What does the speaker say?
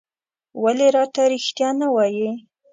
ولې راته رېښتيا نه وايې؟